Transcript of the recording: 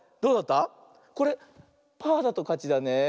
これパーだとかちだねえ。